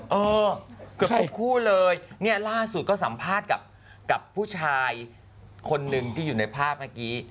เออเกือบทุกคู่เลยเนี่ยล่าสุดก็สัมภาษณ์กับผู้ชายคนหนึ่งที่อยู่ในภาพเมื่อกี้